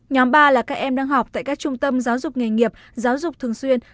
nhóm ba là các em đang học tại các trung tâm giáo dục nghề nghiệp giáo dục thường xuyên